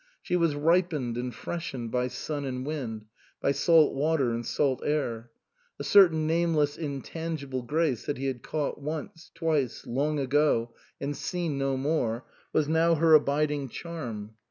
She was ripened and freshened by sun and wind, by salt water and salt air ; a certain nameless, intangible grace that he had caught once, twice, long ago, and seen no more, was now her abid ing charm.